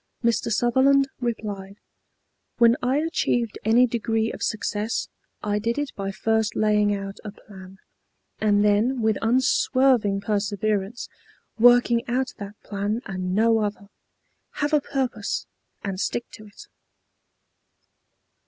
Mr. Sutherland replied: "When I achieved any degree of success I did it by first laying out a plan, and then with unswerving perseverance working out that plan and no other. Have a purpose and stick to it."